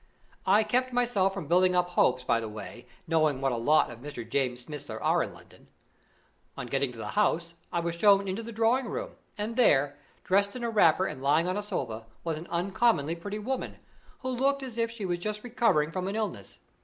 I kept myself from building up hopes by the way, knowing what a lot of Mr. James Smiths there were in London. On getting to the house, I was shown into the drawing room, and there, dressed in a wrapper and lying on a sofa, was an uncommonly pretty woman, who looked as if she was just recovering from an illness.